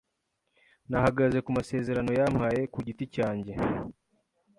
Nahagaze ku masezerano yampaye ku giti cyanjye,